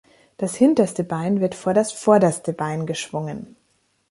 Das hinterste Bein wird vor das vorderste Bein geschwungen.